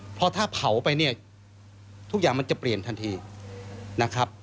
เพราะถ้าเผาไปเนี่ยทุกอย่างมันจะเปลี่ยนทันทีนะครับ